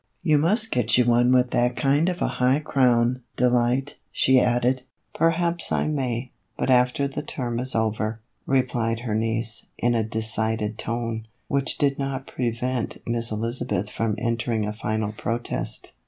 You must get you one with that kind of a high crown, Delight," she added. " Perhaps I may, after the term is over," replied her niece, in a decided tone, which did not prevent Miss Elizabeth from entering a final protest.